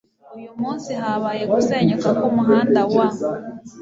Uyu munsi habaye gusenyuka kumuhanda wa .